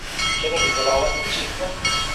Keling, Zilola, tinchlikmi